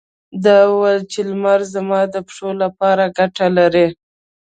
ده وويل چې لمر زما د پښې لپاره ګټه لري.